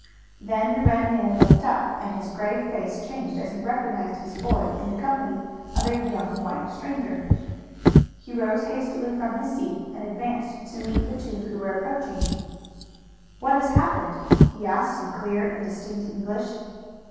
Then the red man looked up, and his grave face changed as he recognized his boy in the company of a young white stranger. He rose hastily from his seat and advanced to meet the two who were approaching. "What has happened?" he asked in clear and distinct English.